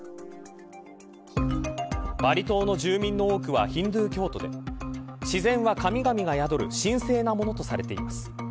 バリ島の住民の多くはヒンドゥー教徒で自然は神々が宿る神聖なものとされています。